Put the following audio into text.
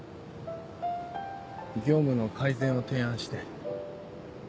業務の改善を提案して。